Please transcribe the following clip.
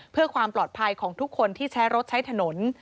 เพื่อความปลอดภัยของทุกคนที่ใช้รถใช้ถนน